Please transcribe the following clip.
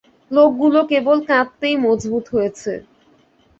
লোকগুলো কেবল কাঁদতেই মজবুত হয়েছে।